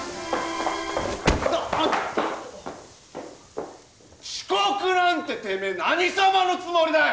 あッ遅刻なんててめえ何様のつもりだよ！